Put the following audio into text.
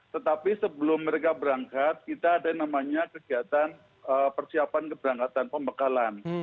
tetapi sebelum mereka berangkat kita ada yang namanya kegiatan persiapan keberangkatan pembekalan